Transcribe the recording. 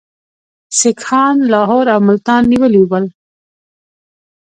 سیکهان لاهور او ملتان نیولي ول.